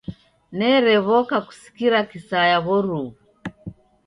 Nerew'oka kusikira kisaya w'oruw'u.